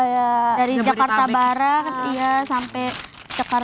dari jakarta barat iya sampai jakarta